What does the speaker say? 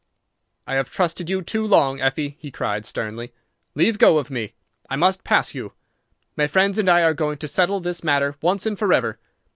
"I have trusted you too long, Effie," he cried, sternly. "Leave go of me! I must pass you. My friends and I are going to settle this matter once and forever!"